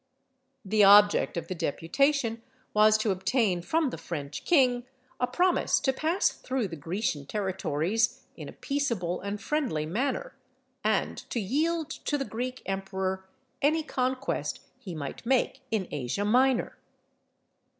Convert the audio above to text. The object of the deputation was to obtain from the French king a promise to pass through the Grecian territories in a peaceable and friendly manner, and to yield to the Greek emperor any conquest he might make in Asia Minor.